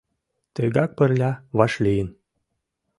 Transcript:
Тыгак пырля вашлийын